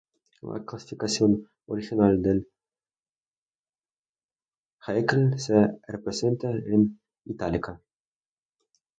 La clasificación original de Haeckel se representa en "itálica".